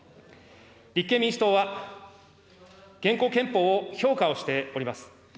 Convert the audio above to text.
立憲民主党は、現行憲法を評価をしております。